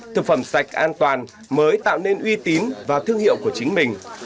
thực phẩm sạch an toàn mới tạo nên uy tín và thương hiệu của chính mình